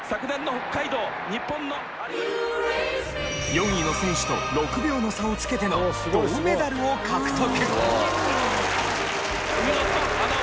４位の選手と６秒の差をつけての銅メダルを獲得。